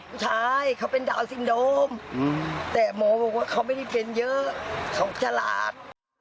ผู้ชายเขาเป็นดาวนซินโดมแต่หมอบอกว่าเขาไม่ได้เทรนด์เยอะเขาฉลาด